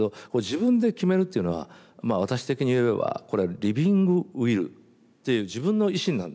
「自分で決める」っていうのはまあ私的に言えばこれリビングウィルっていう自分の意志なんですね。